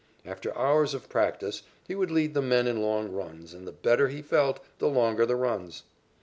After hours of practice, he would lead the men in long runs, and the better he felt, the longer the runs.